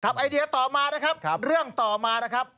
ไอเดียต่อมานะครับเรื่องต่อมานะครับ